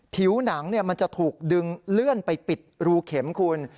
ผิวหนังมันจะถูกดึงเลื่อนไปปิดรูเข็มคุณ